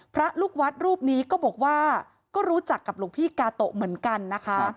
พระลูกวัดรูปนี้ก็บอกว่าก็รู้จักกับหลวงพี่กาโตะเหมือนกันนะคะ